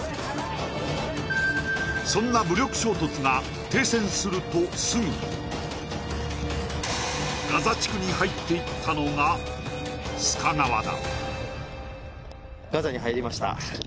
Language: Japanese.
そんな武力衝突が停戦するとすぐガザ地区に入っていったのが須賀川だ